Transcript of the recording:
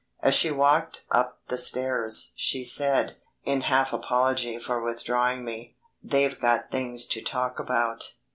As she walked up the stairs, she said, in half apology for withdrawing me. "They've got things to talk about."